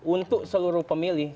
untuk seluruh pemilih